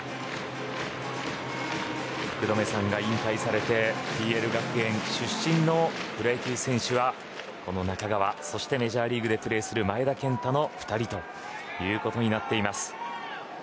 福留さんが引退されてＰＬ学園出身のプロ野球選手はこの中川そしてメジャーリーグでプレーする前田健太の２人ということになっています。